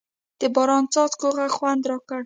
د باران څاڅکو غږ خوند راکړ.